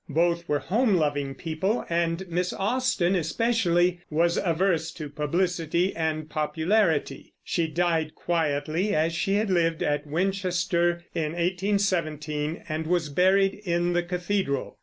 Both were home loving people, and Miss Austen especially was averse to publicity and popularity. She died, quietly as she had lived, at Winchester, in 1817, and was buried in the cathedral.